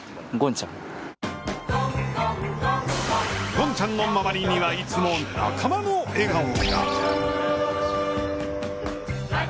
ごんちゃんの周りにはいつも仲間の笑顔が。